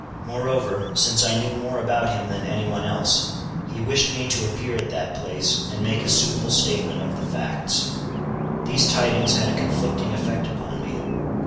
Moreover, since I knew more about him than any one else, he wished me to appear at that place, and make a suitable statement of the facts. These tidings had a conflicting effect upon me.